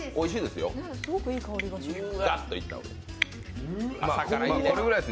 すごくいい香りがします。